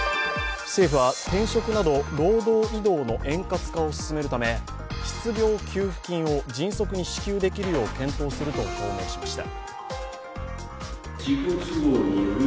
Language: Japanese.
政府は転職など労働移動の円滑化を進めるため失業給付金を迅速に支給できるよう検討すると表明しました。